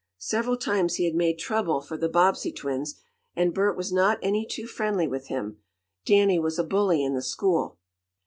Several times he had made trouble for the Bobbsey twins, and Bert was not any too friendly with him. Danny was a bully in the school.